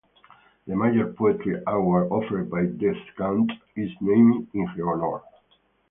The major poetry award offered by "Descant" is named in her honor.